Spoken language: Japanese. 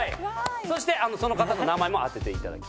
そしてその方の名前も当てていただきます。